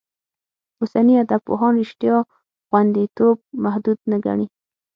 اوسني ادبپوهان رشتیا غوندېتوب محدود نه ګڼي.